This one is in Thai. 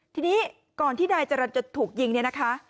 ทีนี้ก่อนที่นายจรรย์จะถูกยิงเนี่ยนะคะ